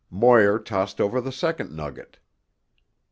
Moir tossed over the second nugget.